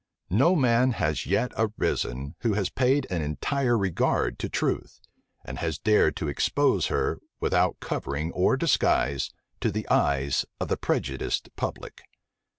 No man has yet arisen, who has paid an entire regard to truth, and has dared to expose her, without covering or disguise, to the eyes of the prejudiced public.